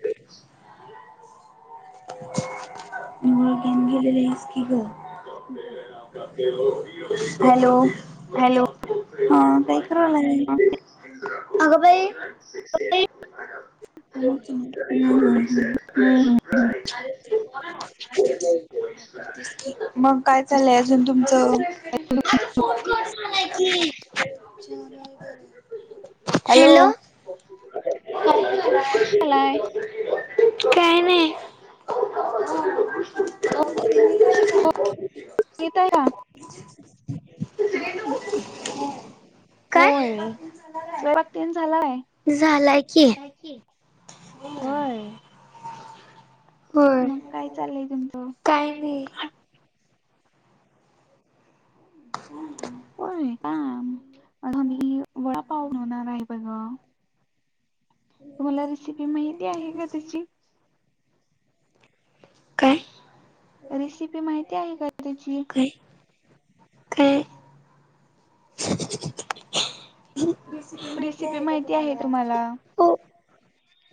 ते [inaudible] गेम [inaudible] गेलेलीस की ग. हॅलो. हा काही करायला लागली? अगं बाई हो [inaudible] [unintelligible] [inaudible] मग काय चाललंय अजून तुमच? हॅलो. काय नाही. हो हो येतोय ना. स्कट [unintelligible] होय स्वयंपाक तेन झालाय? झालाय की. होय. मग काय चालय तुमचं? हम्म. होय का? मग आम्ही वडापाव खाणार आहे बघा. तुम्हाला रेसिपी माहिती आहे का त्याची? काय? रेसिपी माहिती आहे का त्याची? काय? [inaudible] रेसिपी माहिती आहे तुम्हाला?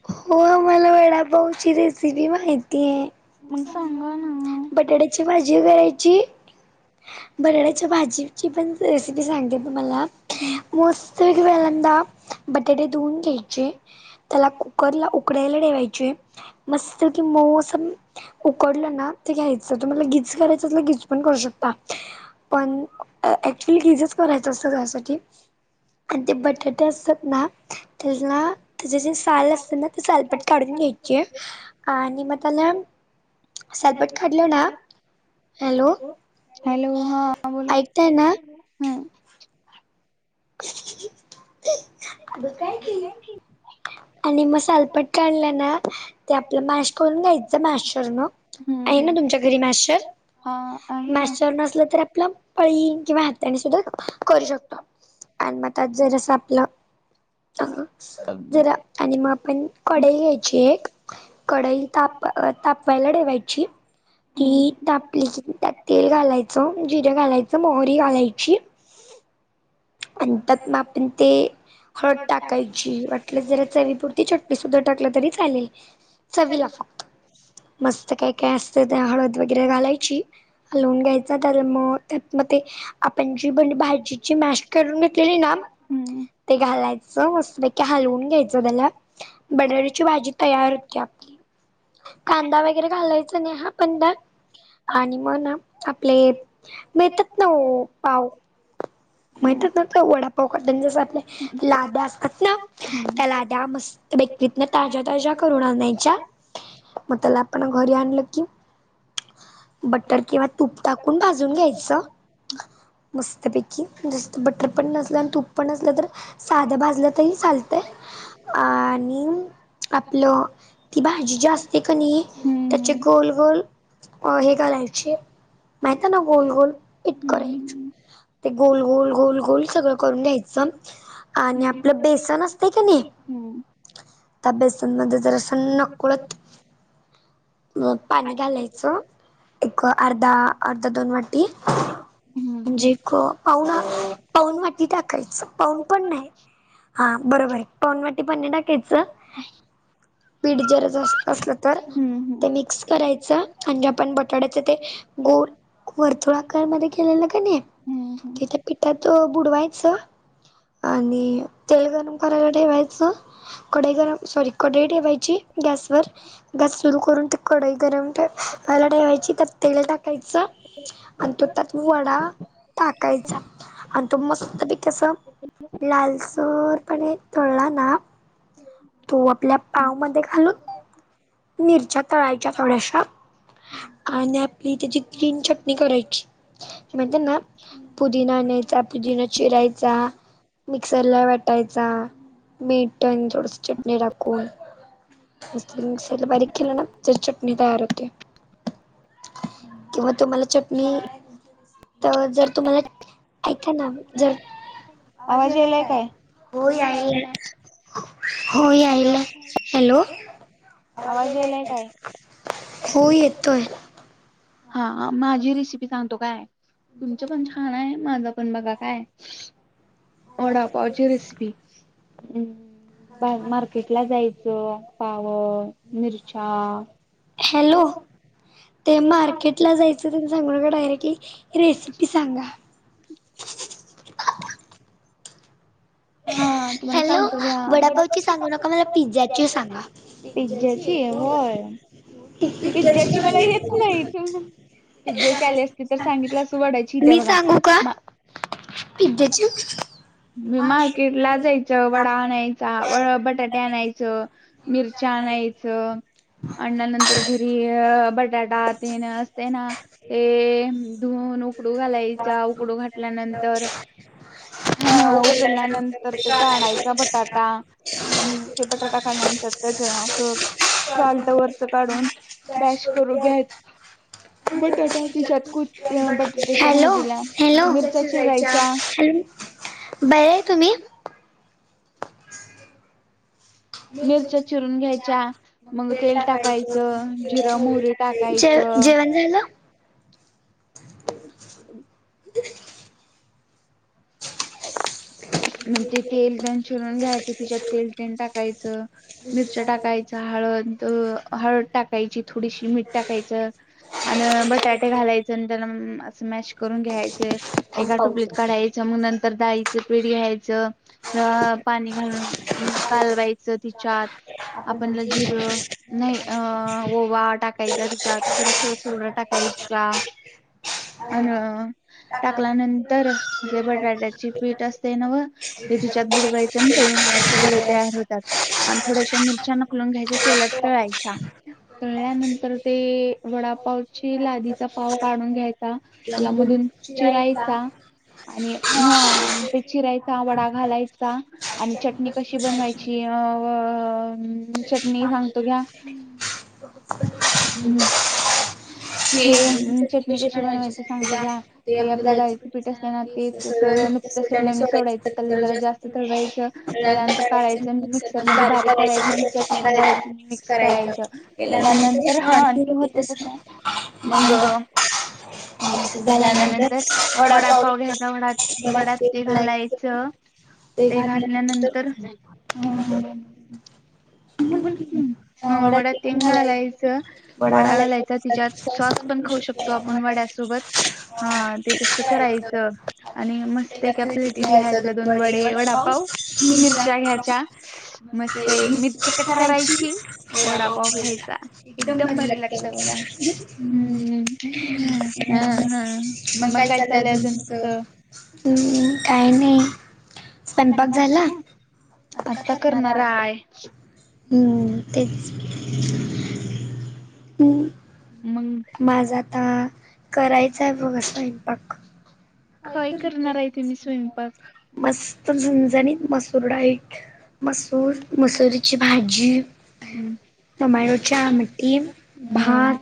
होय मला वडापाऊची रेसिपी म माहितीये. बटाट्याची भाजी करायची. बटाट्याच्या भाजीची पण रेसिपी सांगते तुम्हाला. मोस्त पहील्यांदा बटाटे धुऊन घ्यायचे. त्याला कुकर ला उकडायला ठेवायचे. मस्त कि मउ अस उकडलं ना ते घ्यायचं. तुम्हाला लगीच करायचं तर लगीच पण करू शकता. पण फ घीजच करायचं असतं त्यासाठी. आन ते बटाटे असतात ना. तला तझ जे साल असते ना. सॅलपट काढून घ्यायचे. आणि मग त्याला, सलपट घातलं ना. हॅलो. ऐकताय ना? आग काय ते. आणि मग सालपट्ट काढलं ना. ते आपलं मॅश करून घ्यायचं मॅशर न. आहे ना तुमच्या घरी मँशर? मँशर नसल तर आपलं पळी किंवा ह तानी सुद्धा करू शकतो. आणि मग त्यात जरस आपलं अ जरा आणि मग आपण कडेई घ्यायची एक. कडई ताप तापवायला ठेवायची. ती ताप तापली की त्यात तेल घालायचं. जिरं घालायचं. मोहरी घालायची. अन त्यात म आपण ते हळद टाकायची. वाटलं जरा चवीपुरती चटणी सुद्धा टाकलं तरी चालेल. चवीला फक्त. मस्त काय काय असत ते हळद वगैरे घालायची. हलवून घ्यायच. तर म त्यात मग ते आपण जीब भाजीची मॅस् करुन घेतलेली ना. ते घालायचं मस्तपैकी हलवून घ्यायचं त्याला. बटाट्याची भाजी तयार होती आपली. कांदा वगैरे घालायचा नाही हा पण त्यात. आणि म ना आपले मिळेतात ना ओ पाव. [unintelligible] माहितात ना वडापाव खाताना जस, आपल्या लाद्या असतात ना. त्या लाद्या मस्त त्या बेकरीतन ताज्या ताज्या करून आणायच्या. [inaudible] म त्याला आपण घरी आणलं की बटर किंवा तूप टाकून भाजून घ्यायचं मस्तपैक की जस्तं बटर पण नसलं आणि तूप पण नसलं तर साधं भाजलं तरी चालतंय. आणि आपलं ती भाजी जी असते कणी त्याचे गोल गोल हे करायचे़. माहितीये ना गोल गोल इट करायचं. ते गोल गोल गोल गोल सगळं करून घ्यायचं. आणि आपलं बेसन असतय कनी त्या बेसनमध्ये जरासं नकळत मग पाणी घालायचं एक अर्धा अर्धा दोन वाटी म्हणजे एक पाऊन पाऊन वाटी टाकायचं पाऊन पण नाय हा बरोबर ये पाऊन वाटी पण नाय टाकायचं. पीठ जरा जास्त असलं तर ते मिक्स करायचं. आणि जे आपण बटाट्याच ते गोल वर्तुळाकार मध्ये केलेलं कनय ते त्या पिठात अ बुडवायचं आणि तेल गरम करायला ठेवायचं. कढई गरम सॉरी कढई ठेवायची गॅसवर गॅस सुरू करून ते कढई गरम ठेव लायला ठेवायची त्यात तेला टाक कायचं आणि तो त्यात वडा टाकायचा आणि तो मस्त बैकी असा लालसरपणे तळला ना तो आपल्या पावमध्ये घालून [unintelligible] मिरच्या तळायच्या थोड्याशा आणि आपली त्याची ग्रीन चटणी करायची. मध्ये ना पुदिना आणायचा पुदिना चिरायचा मिक्सरला वाटायचा मीठ अनं थोडस चटणी टाकून. मस्त मिक्सर ला बारीक केल ना तर चटणी तयार होते. किंवा तुम्हाला चटणी तर जर तुम्हाला ऐका ना जर आवाज यायलाय काय हो यायलाय. हो यायलाय हॅलो आवाज यायलाय काय? हा माझी रेसिपी सांगतो काय तुमचं पण छान हाय माझं पण बघा काय वडापावची रेसिपी अम्म बा मार्केट ला जायचं पाव, मिरच्या हॅलो ते मार्केट ला जायचं तेनं सांगू नका डायरेक्टली रेसिपी सांगा. हा तुम्हाला सांगतो घ्या. हॅलो वडापाव ची सांगू नका मला पिज्ज्या ची सांगा पिझ्झाची होय. पिझ्झाची मला येत नाय पिझ्झाची आली असते तर सांगितलं असतो वड्याची येत्या बघा मी सांगू का पिज्जाची मी मार्केटला जायचं. वडा आणायचा व बटाटे आणायचं. मिरच्या आणायचं. आण्यानंतर घरी अ बटाटा ते ना असतय ना ते धुन उकडू घालायचा उकडू घातल्यानंतर ह उकडल्यानंतर ते काढायचा बटाटा बटाटा काढल्यानंतर त्याच्या असं साल्ट वरच काढून बॅश करू घ्यायच. [inaudible] बटाटातिशात खु बटाट्याच्या भाजीला मिरच्या चिरायच्या. बाहेर आहे तुम्ही? मिरच्या चिरायच्या, तेल टाकायचं, जिरे, मोहरी टाका जे जेवण झालं? ह [inaudible] म्हणजे तेल तेण शिरून घ्यायचं तिच्यात तेल तेण टाकायच, मिरच टाकायचं हळद, हळद टाकायची थोडीशी, मीठ टाकायचं. आन बटाटे घालायचे आन त्याला मॅश करून घ्यायच एका टोपलीत काढायच मग नंतर दाळीच पीठ घ्यायचं अ पाणी घालून कालवायचं तिच्यात आपणला जिरं नाही अ ओवा टाकायचा तिच्यात थोडस सोडा टाकाय द्यायचा. अन टाकल्यानंतर हे बटाट्याची पीठ असते ते नव ते तिच्यात बुडवायचं ना तळुन घ्यायचे वडे तयार होतात. आणि थोड्याशा मिरच्या नकलून घ्यायच्या तेलात तळायच्या. तळल्यानंतर ते वडापावची लादीचा पाव काढून घ्याय त्याला मधून चिरायचा आणि ह चिरायचा वडा घालायचा आणि चटणी कशी बनवायची अ..... चटणी सांगतो घ्या. हम्म, हे [inaudible] चटणी कशी बनवायचे सांगतो घ्या ते आपल्या दाळीचे पीठ असते ना तेच नुकत सोडल्या सोडायच त्याला जरा जास्त तळवायचं त्यानंतर काढाचं मिक्सर मध्ये बारीक करायच. चटणी घालायची मिक्स करायचं केल्यानंतर हा आणखी होते तस मग. मिक्स झाल्यानंतर वडापाव घ्यायचा वडा, वड्या घालायच ते घातल्यानंतर बोल की हा वडा तेंग घालायचं वडा घालायचा तिच्यात सॉस पण खाऊ शकतो आपण. हा ते तस करायचं आणि मस्त एका प्लेटीत घ्यायचा दोन वडे वडापाव मिरच्या घ्यायच्या मस्त मिरची कट करायची वडापाव खायचा एकदम भारी लागत बघा. हम्म, मस्त, मग काय चाललंय अजून तुमच? हम्म, काय नाही. स्वयंपाक झाला? का करणार आहे? [inaudible] हम्म, तेच माझा आता करायचा आहे बघा स्वयंपाक. [unintelligible] मस्त झंन, झंणीत मसुर डाळीत हम्म. टम्याटोची आमटी, भात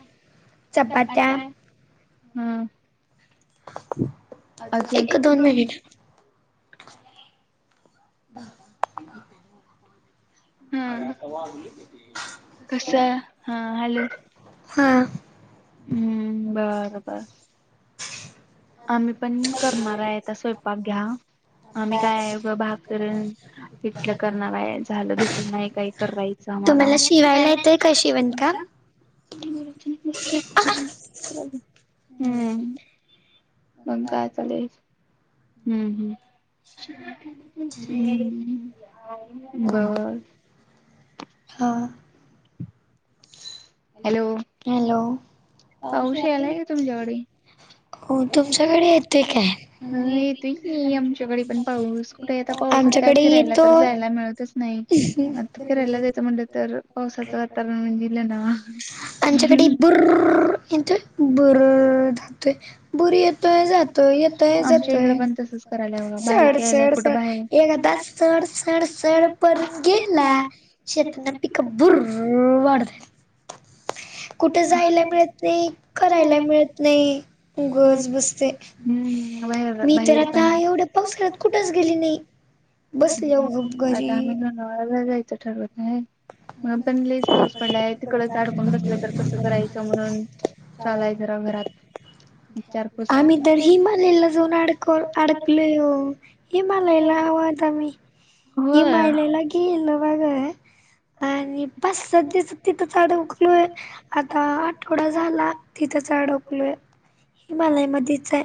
चपाात्या, हम्म. एक-दोन मिनिट [inaudible] हा कशे हा हॅलो हम्म बर बर आम्ही पण करणार आहे आता स्वयंपाक घ्या आम्ही काय भाकरी पिठलं करणार हाय दुसरं नाही काही करायचं आम्हाला मला शिवायला येते का शिवणकाम? [unintelligible] हम्म मंग काय चालेत हम्म हम् हहम्म बर हम हॅलो पाऊस आलाय का तुमच्याकडे? येतोय की आमच्याकडे पण पाऊस कुठे आता पाऊसात काय फिरायला तर जायला मिळतच नाही आता फिरायला जायचं म्हणलं तर पावसाचं वातावरण [unintelligible] दिलं ना येतो भुर्र जातोय भुर्र येतोय जातोय येतोय जातोय सड सड स एकदाचं सड सड सड पडून गेला शेताला पीक का भुर्र वाढते कुठे जायला मिळत नाही करायला मिळत नाही उगच बसते मी तर आता एवढ्या पावसाळ्यात कुठच गेली नाही बसलो होत घरी ला जायचं ठरवत आहे मग पण लईच पाऊस पडलाय तिकडचं आडकून बस कसं करायचं म्हणून चालू हाय जरा घरात आम्ही तर हिमालयला जाऊन अडक अडकलोय ओ हिमलयला हवात आम्ही, हिमलयला गिलं बघ. आणि पाच सहा दिस तिथच अडकलोय, आता आठवडा झाला तिथंच अडकलोय. हिमालयामधीच हाय.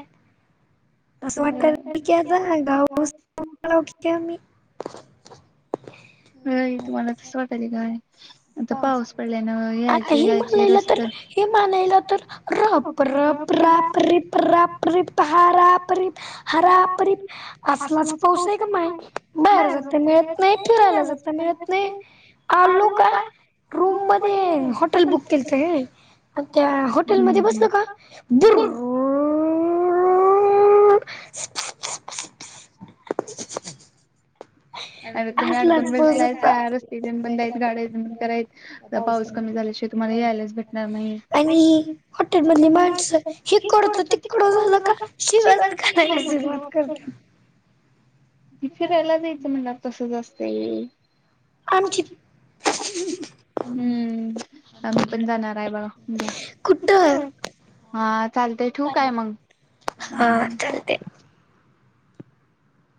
[unintelligible] व्हय, तुम्हाला कसं वाटायलय काय? आता हिमालयाला तर, हे हिमालयाला तर रोप [unintelligible] असलाच पाऊस आहे क नाय, बाहेर जात मिळत नाही काय फिरायला सुद्धा मिळत नाही, आलो का [unintelligible] मध्ये, हॉटेल बुक केलत हे म, त्या हॉटेलमध्येध्ये बसल का, भुर्रर्र [unintelligible] [inaudible] [inaudible] आणि हॉटेल मधली माणसं हिकडच, तिकड झाल का, शिव्याचं घालायला सुरुवात करत्यात. फिरायला जायचं म्हटल्यावर की तसच असतंय. आमची हम्म आम्ही पण जाणाराय बघा उद्या. हा चालतय ठिउ काय मग?